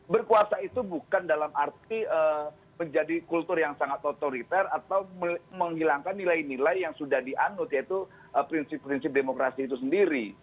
berkuasa itu bukan dalam arti menjadi kultur yang sangat otoriter atau menghilangkan nilai nilai yang sudah dianut yaitu prinsip prinsip demokrasi itu sendiri